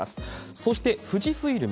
そして富士フイルム